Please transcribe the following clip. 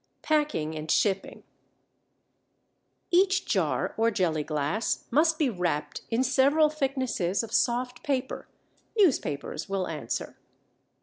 PACKING AND SHIPPING. Each jar or jelly glass must be wrapped in several thicknesses of soft paper (newspapers will answer).